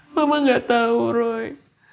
mama gak tau roy